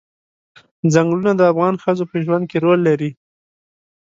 ځنګلونه د افغان ښځو په ژوند کې رول لري.